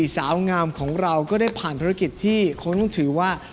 สาวงามของเราก็ได้ผ่านธุรกิจที่คงต้องถือว่า